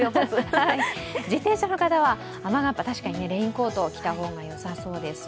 自転車の方は雨がっぱ、レインコートを着たほうがよさそうです。